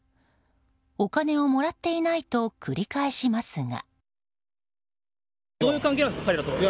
お金をもらっていないと繰り返しますが。